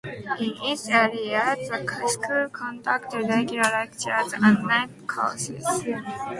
In its early years, the school conducted regular lectures and night courses.